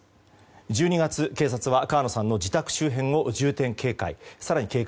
１２月、警察は川野さんの自宅周辺を重点警戒。